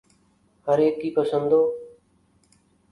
ہر ایک کی پسند و